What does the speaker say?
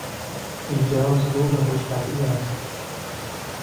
ایجاز روح خوشطبعی است.